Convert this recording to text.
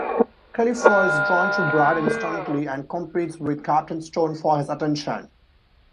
Kelly feels drawn to Brad instantly, and competes with Captain Stone for his attention.